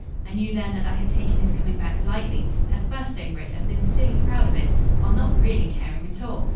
I knew then that I had taken his coming back lightly; had fussed over it and been silly proud of it; while not really caring at all.